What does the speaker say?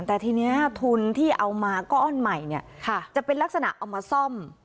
แต่ทีนี้ทุนที่เอามาก้อนใหม่เนี่ยจะเป็นลักษณะเอามาซ่อม